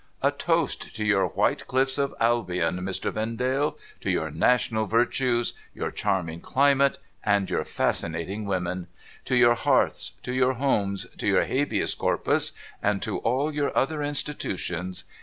A toast to your white clifts of Albion, Mr. Vendale ! to your national virtues, your charming climate, and your fascinating women ! to your Hearths, to your Homes, to your Habeas Corpus, and to all your other institutions